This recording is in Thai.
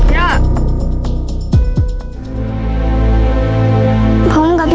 ย่าเป็นไร